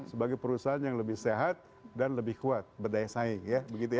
sebagai perusahaan yang lebih sehat dan lebih kuat berdaya saing ya